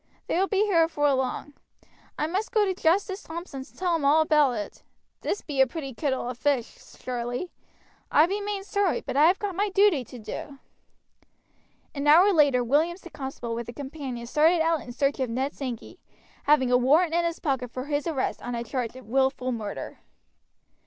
They will be here afore long. I must go to Justice Thompson's and tell him all about it. This be a pretty kittle of fish, surely. I be main sorry, but I have got my duty to do." An hour later Williams the constable with a companion started out in search of Ned Sankey, having a warrant in his pocket for his arrest on the charge of willful murder.